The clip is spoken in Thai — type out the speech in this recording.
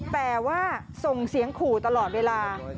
แต่ว่าส่งเสียงขู่ตลอดเวลา